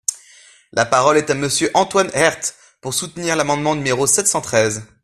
La parole est à Monsieur Antoine Herth, pour soutenir l’amendement numéro sept cent treize.